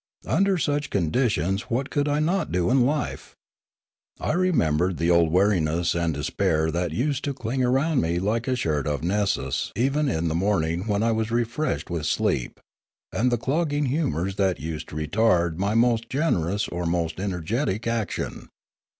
Under such condi tions what could not I do in life ? I remembered the old weariness and despair that used to cling around me like a shirt of Nessus even in the morning when I was re freshed with sleep, and the clogging humours that used to retard my most generous or most energetic action.